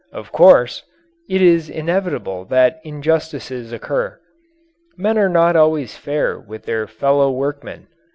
Of course, it is inevitable that injustices occur. Men are not always fair with their fellow workmen.